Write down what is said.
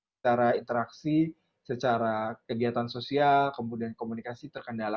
secara interaksi secara kegiatan sosial kemudian komunikasi terkendala